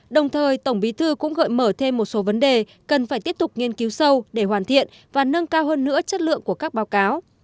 đồng thời tổng bí thư cũng gợi mở thêm một số vấn đề cần phải tiếp tục nghiên cứu sâu để hoàn thiện và nâng cao hơn nữa chất lượng của các báo cáo